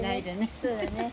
そうだね。